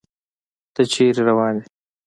ته چيرته روان يې